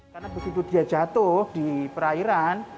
karena begitu dia jatuh di perairan